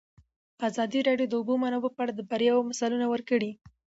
ازادي راډیو د د اوبو منابع په اړه د بریاوو مثالونه ورکړي.